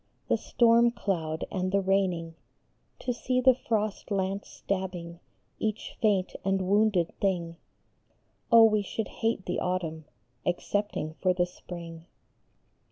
The storm cloud and the raining ; To see the frost lance stabbing Each faint and wounded thing ; Oh, we should hate the autumn Excepting for the spring